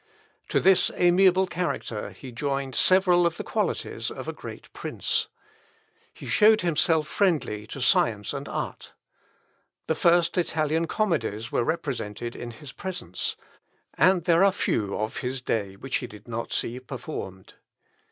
To this amiable character he joined several of the qualities of a great prince. He showed himself friendly to science and art. The first Italian comedies were represented in his presence; and there are few of his day which he did not see performed.